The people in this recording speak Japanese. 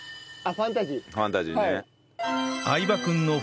ファンタジーね。